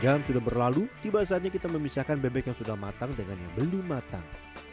jam sudah berlalu tiba saatnya kita memisahkan bebek yang sudah matang dengan yang belum matang